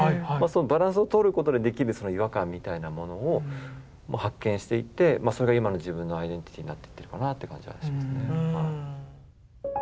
バランスをとることでできる違和感みたいなものを発見していってそれが今の自分のアイデンティティーになってるかなって感じはしますね。